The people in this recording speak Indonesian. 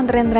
di sini pak